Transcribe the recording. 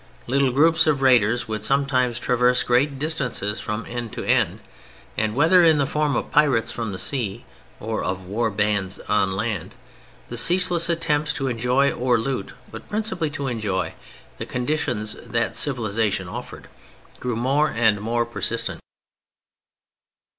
Little groups of raiders would sometimes traverse great districts from end to end, and whether in the form of pirates from the sea or of war bands on land, the ceaseless attempts to enjoy or to loot (but principally to enjoy) the conditions that civilization offered, grew more and more persistent.